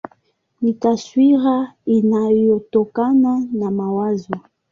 Ni taswira inayotokana na mawazo.